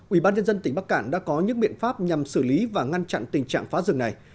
ủy ban nhân dân tỉnh bắc cản đã có những biện pháp nhằm xử lý và ngăn chặn tình trạng phá rừng này